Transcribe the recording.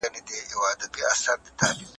د اطمینان او باور مجلس ورسره څنګه پيل کړئ؟